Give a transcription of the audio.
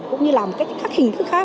cũng như là các hình thức khác